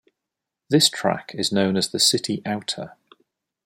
This track is known as the "City Outer".